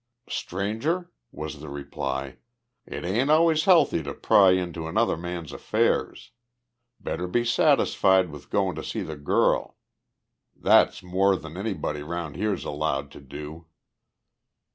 "Stranger," was the reply, "it ain't always healthy to pry into another man's affairs. Better be satisfied with goin' to see the girl. That's more than anybody around here's allowed to do."